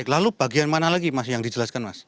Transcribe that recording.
lalu bagian mana lagi mas yang dijelaskan mas